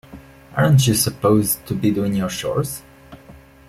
Aren't you supposed to be doing your chores?